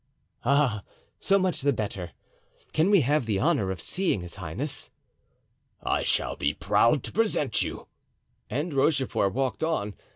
"Ah! so much the better! Can we have the honor of seeing his highness?" "I shall be proud to present you," and Rochefort walked on.